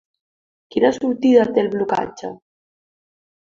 Quina sortida té el blocatge?